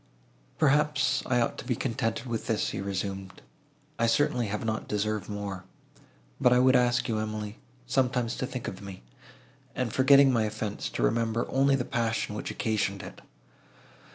"Perhaps I ought to be contented with this," he resumed; "I certainly have not deserved more; but I would ask you, Emily, sometimes to think of me, and, forgetting my offence, to remember only the passion which occasioned it.